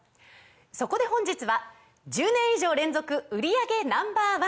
そこで本日は１０年以上連続売り上げＮｏ．１